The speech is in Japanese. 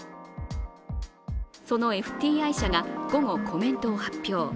そのＦＴＩ社が午後、コメントを発表。